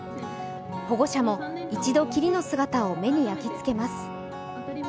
保護者も一度きりの姿を目に焼き付けます。